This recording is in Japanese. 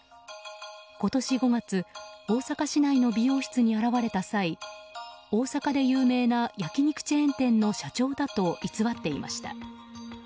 今年５月大阪市内の美容室に現れた際大阪で有名な焼き肉チェーン店の社長だと偽っていました。